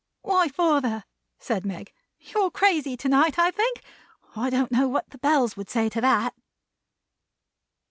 "Why, father!" said Meg. "You're crazy to night, I think. I don't know what the Bells would say to that."